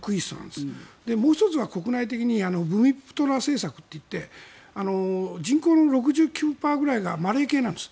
もう１つは国内的にブミプトラ政策といって人口の６９％ぐらいがマレー系なんです。